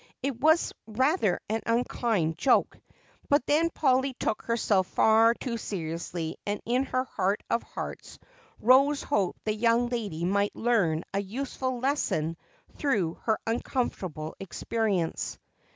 It was rather an unkind joke, but then Polly took herself far too seriously and in her heart of hearts Rose hoped the young lady might learn a useful lesson through her uncomfortable experience.